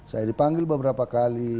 saya dipanggil beberapa kali